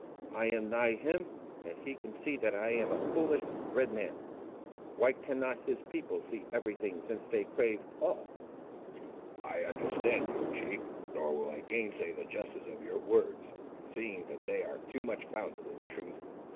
I am nigh him, and he can see that I am a foolish Red man. Why cannot his people see every thing, since they crave all?" "I understand you, chief; nor will I gainsay the justice of your words, seeing that they are too much founded in truth.